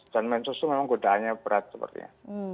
dan mensos itu memang godaannya berat sepertinya